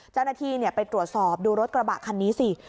เจ้าหน้าที่ไปตรวจสอบดูรถกระบะคันนี้สิ